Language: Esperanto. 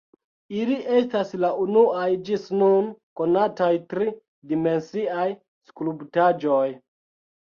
Ili estas la unuaj ĝis nun konataj tri-dimensiaj skulptaĵoj.